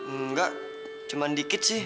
enggak cuma dikit sih